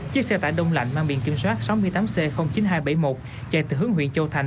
chiếc xe tải đông lạnh mang biển kiểm soát sáu mươi tám c chín nghìn hai trăm bảy mươi một chạy từ hướng huyện châu thành